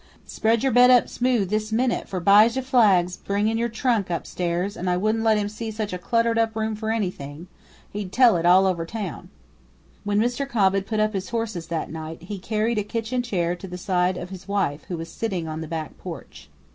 Spread your bed up smooth this minute, for 'Bijah Flagg 's bringin' your trunk upstairs, and I wouldn't let him see such a cluttered up room for anything; he'd tell it all over town." When Mr. Cobb had put up his horses that night he carried a kitchen chair to the side of his wife, who was sitting on the back porch.